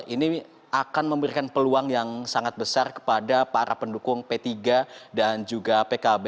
ini akan memberikan peluang yang sangat besar kepada para pendukung p tiga dan juga pkb